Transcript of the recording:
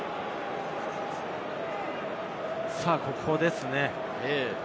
さぁここですね。